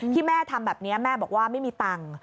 ที่แม่ทำแบบนี้แม่บอกว่าไม่มีตังค์